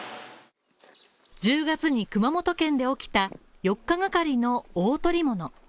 １０月に熊本県で起きた４日がかりの大捕物。